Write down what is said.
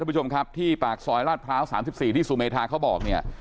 ทุกผู้ชมครับที่ปากซอยราชพร้าว๓๔ที่สุเมธาเขาบอก